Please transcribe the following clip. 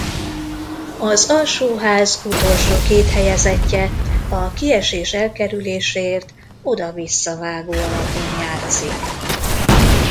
Az alsóház utolsó két helyezettje a kiesés elkerüléséért oda-visszavágó alapon játszik.